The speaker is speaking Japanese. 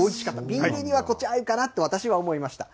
ビールにはこっち合うかなと思いました。